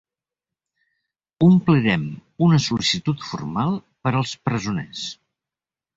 Omplirem una sol·licitud formal per als presoners.